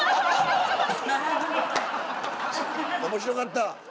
面白かった。